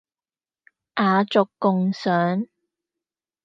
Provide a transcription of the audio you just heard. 雅俗共賞